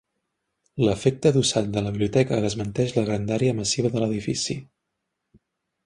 L'efecte adossat de la biblioteca desmenteix la grandària massiva de l'edifici.